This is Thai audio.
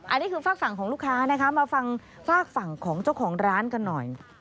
อันนี้คือฝากฝั่งของลูกค้านะคะมาฟังฝากฝั่งของเจ้าของร้านกันหน่อย